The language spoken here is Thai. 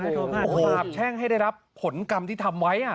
คืนช่างให้รับผลกรรมที่ทำไว้อ่ะ